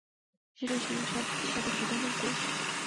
সেটাই সঠিক সিদ্ধান্ত জেস।